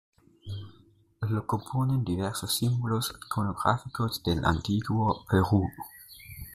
Lo componen diversos símbolos iconográficos del antiguo Perú.